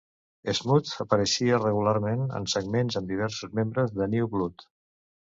Smooth apareixia regularment en segments amb diversos membres de New Blood.